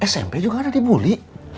smp juga ada dibully